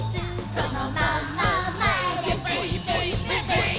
「そのまままえでブイブイブブイ」